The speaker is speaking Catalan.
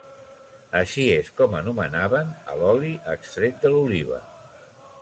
Així és com anomenaven a l'oli extret de l'oliva.